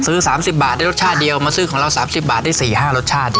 ซื้อ๓๐บาทได้รสชาติเดียวมาซื้อของเรา๓๐บาทได้๔๕รสชาติ